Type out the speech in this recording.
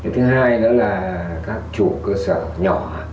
thứ hai nữa là các chủ cơ sở nhỏ